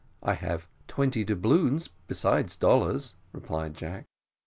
"I have twenty doubloons, besides dollars," replied Jack.